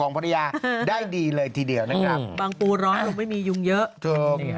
ของภรรยาได้ดีเลยทีเดียวนะครับฮึอหรือบางปูร้องไม่มียุ่งเยอะถูก